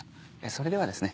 それではですね